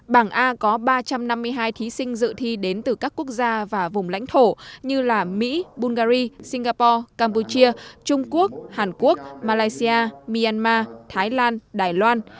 bảng a có ba trăm năm mươi hai thí sinh dự thi đến từ các quốc gia và vùng lãnh thổ như mỹ bulgari singapore campuchia trung quốc hàn quốc malaysia myanmar thái lan đài loan